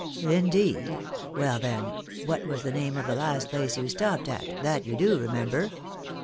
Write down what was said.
" Indeed ! Well, then, what was the name of the last place you stopped at, that you do remember